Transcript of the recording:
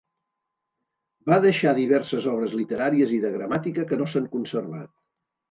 Va deixar diverses obres literàries i de gramàtica que no s'han conservat.